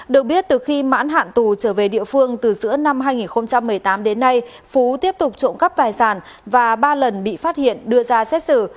được biết từ khi mãn hạn tù trở về địa phương từ giữa năm hai nghìn một mươi tám đến nay phú tiếp tục trộm cắp tài sản và ba lần bị phát hiện đưa ra xét xử